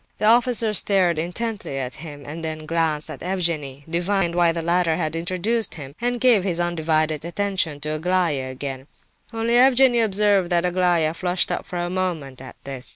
The officer stared intently at him, then glanced at Evgenie, divined why the latter had introduced him, and gave his undivided attention to Aglaya again. Only Evgenie Pavlovitch observed that Aglaya flushed up for a moment at this.